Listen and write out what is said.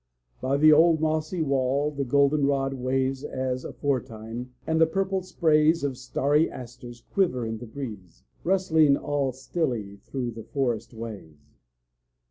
By the old mossy wall the goldenrod Waves as aforetime, and the purple sprays Of starry asters quiver to the breeze, Rustling all stilly through the forest ways.